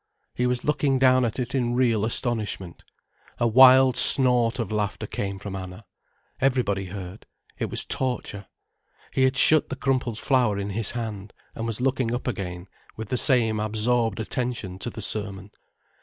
He was looking down at it in real astonishment. A wild snort of laughter came from Anna. Everybody heard: it was torture. He had shut the crumpled flower in his hand and was looking up again with the same absorbed attention to the sermon.